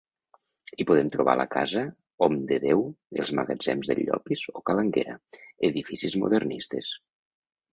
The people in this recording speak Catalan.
Hi podem trobar la casa Homdedeu, els Magatzems del Llopis o ca l'Anguera, edificis modernistes.